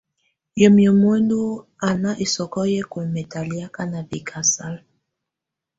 Wamɛ̀á muǝndù á nà ɛsɔkɔ̀ yɛ̀ kuɛ̀lɛ̀ talakɛ̀á nà bɛ̀kasala.